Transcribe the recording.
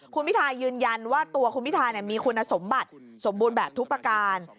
คุณพิทายืนยันว่าตัวคุณพิทามีคุณสมบัติสมบูรณ์แบบทุกประการ